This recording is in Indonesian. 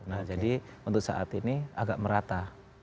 nah jadi untuk saat ini agak merata